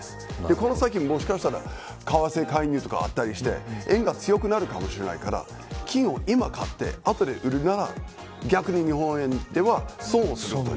この先、もしかしたら為替介入とかあったりして円が強くなるかもしれないから金を今買って、後で売るなら逆に日本円では損をする。